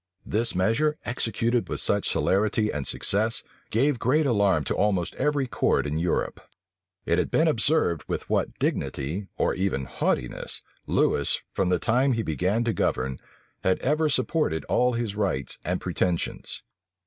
This measure, executed with such celerity and success, gave great alarm to almost every court in Europe. It had been observed with what dignity, or even haughtiness, Lewis, from the time he began to govern, had ever supported all his rights and pretensions.